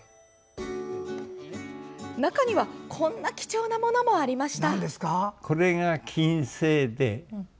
中には、こんな貴重なものもありました。